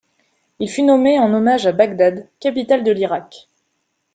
Il fut nommé en hommage à Baghdad, capitale de l'Irak.